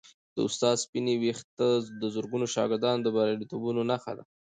د استاد سپینې ویښتې د زرګونو شاګردانو د بریالیتوبونو نښه ده.